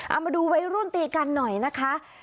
เอามาดูวัยรุ่นตีกันหน่อยนะคะ